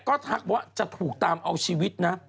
ก็ทักว่าจะถูกตามเอาชีวิตนะ